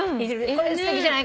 これすてきじゃない？